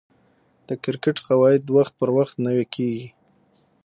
د کرکټ قواعد وخت پر وخت نوي کیږي.